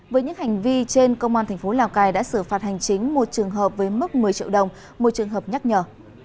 với những hành vi trên công an thành phố lào cai đã xử phạt hành chính một trường hợp với mức một mươi triệu đồng một trường hợp nhắc nhở